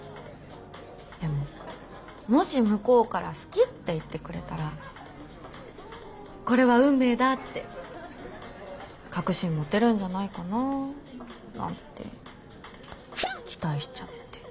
でももし向こうから好きって言ってくれたらこれは運命だって確信持てるんじゃないかなぁなんて期待しちゃって。